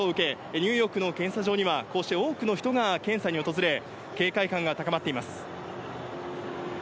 ニューヨークの検査場には多くの人が検査に訪れ警戒感が高まっています。